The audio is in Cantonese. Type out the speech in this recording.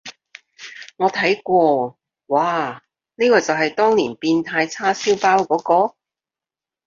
我睇過，嘩，呢個就係當年變態叉燒包嗰個？